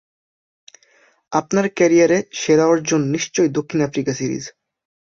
আপনার ক্যারিয়ারে সেরা অর্জন নিশ্চয়ই দক্ষিণ আফ্রিকা সিরিজ।